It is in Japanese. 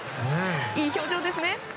いい表情ですね。